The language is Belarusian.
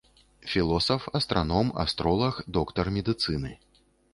Філосаф, астраном, астролаг, доктар медыцыны.